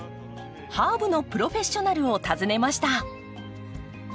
ハーブのプロフェッショナルを訪ねました。